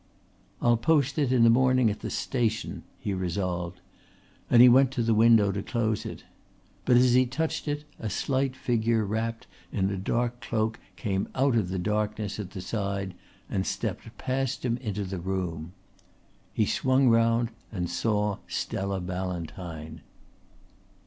"I'll post it in the morning at the station," he resolved, and he went to the window to close it. But as he touched it a slight figure wrapped in a dark cloak came out of the darkness at the side and stepped past him into the room. He swung round and saw Stella Ballantyne.